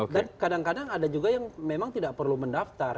dan kadang kadang ada juga yang memang tidak perlu mendaftar